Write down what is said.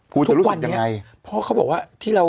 คุณจะรู้สึกยังไงเพราะเขาบอกว่า